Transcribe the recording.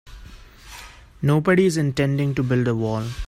Nobody's intending to build a wall.